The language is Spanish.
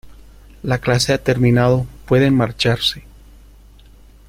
la clase ha terminado, pueden marcharse.